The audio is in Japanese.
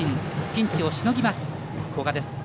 ピンチをしのぎます、古賀です。